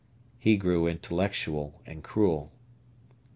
He grew intellectual and cruel.